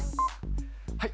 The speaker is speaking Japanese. はい。